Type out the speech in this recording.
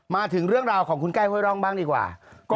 มาถึงเรื่องราวของคุณใกล้ห้วยร่องบ้างดีกว่า